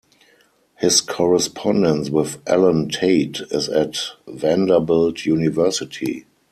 His correspondence with Allen Tate is at Vanderbilt University.